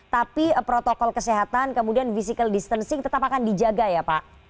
tapi protokol kesehatan kemudian physical distancing tetap akan dijaga ya pak